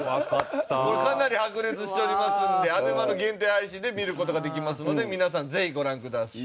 かなり白熱しておりますのでＡＢＥＭＡの限定配信で見る事ができますので皆さんぜひご覧ください。